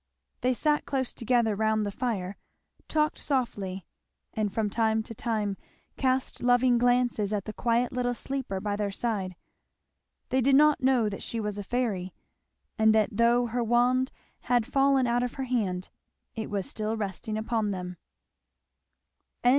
They sat close together round the fire, talked softly, and from time to time cast loving glances at the quiet little sleeper by their side. They did not know that she was a fairy, and that though her wand had fallen out of her hand it was still resting upon them. Chapter XVIII.